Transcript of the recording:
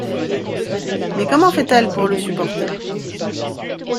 Mais comment fait-elle pour le supporter?